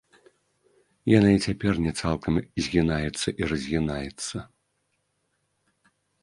Яна і цяпер не цалкам згінаецца і разгінаецца.